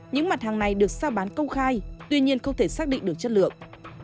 những mặt hàng này được sao bán công khai tuy nhiên không thể xác định được chất lượng